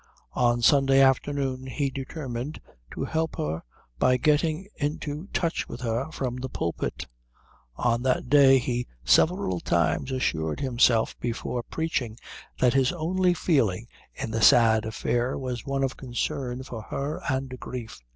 On the Sunday afternoon he determined to help her by getting into touch with her from the pulpit. On that day he several times assured himself before preaching that his only feeling in the sad affair was one of concern for her and grief.